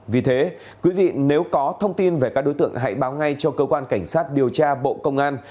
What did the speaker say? vì thế quý vị nếu có thông tin về các đối tượng hãy báo ngay cho cơ quan cảnh sát điều tra bộ công an